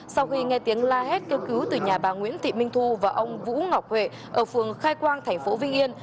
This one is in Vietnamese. sau khi nghe tiếng la hét kêu cứu từ nhà bà nguyễn thị minh thu và ông vũ ngọc huệ ở phường khai quang thành phố vinh yên